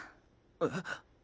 えっ？